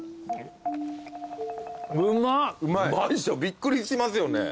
びっくりしますよね。